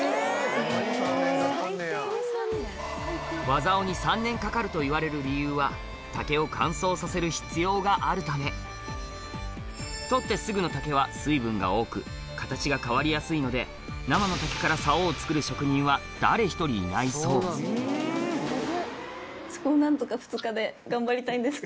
和竿に３年かかるといわれる理由は竹を乾燥させる必要があるため採ってすぐの竹は水分が多く形が変わりやすいので生の竹から竿を作る職人は誰一人いないそうそこを。